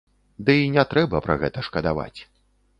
Дый не трэба пра гэта шкадаваць.